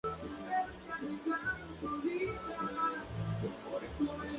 Apenas llegado a la isla cae enfermo.